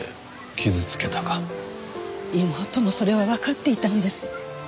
妹もそれはわかっていたんです。